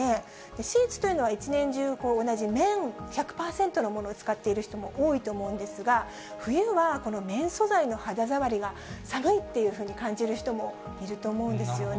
シーツというのは一年中、同じ綿１００％のものを使っている人も多いと思うんですが、冬はこの綿素材の肌触りが寒いというふうに感じる人もいると思うんですよね。